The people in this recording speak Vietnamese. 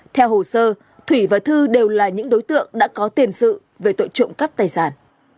theo hồ sơ thủy và thư đều là những đối tượng đã có tiền sự về tội trộm cắp tài sản